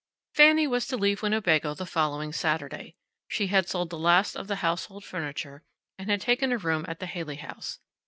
Fanny was to leave Winnebago the following Saturday. She had sold the last of the household furniture, and had taken a room at the Haley House.